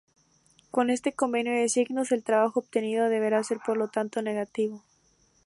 Con este convenio de signos el trabajo obtenido deberá ser, por lo tanto, negativo.